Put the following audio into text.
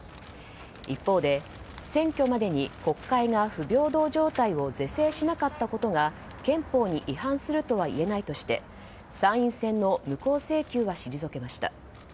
一方で選挙までに国会が不平等状態を是正しなかったことが憲法に違反するとはいえないとして参院選の無効請求は退けました。